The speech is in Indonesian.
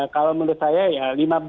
kalau menurut saya ya lima belas